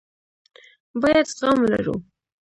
بايد زغم ولرو.